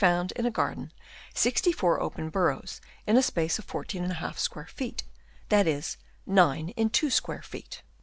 163 found in a garden sixty four open burrows in a space of 14 J square feet, that is, nine in 2 square feet.